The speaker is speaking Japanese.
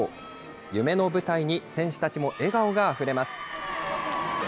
夢の舞台に、選手たちも笑顔があふれます。